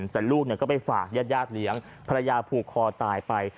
แต่ลูกก็ไปฝากญาติเลี้ยงภรรยาผูกคอตายไป